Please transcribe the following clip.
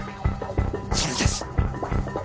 それです！